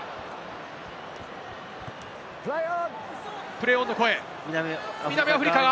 プレーオンの声。